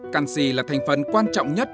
canxi là thành phần quan trọng nhất